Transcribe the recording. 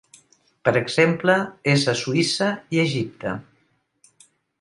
Per exemple, és a Suïssa i a Egipte.